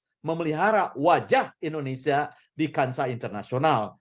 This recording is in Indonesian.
atau untuk memoles memelihara wajah indonesia di kansa internasional